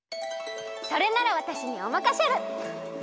それならわたしにおまかシェル！